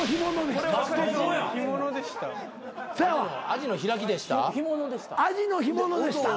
「アジの開きでした」？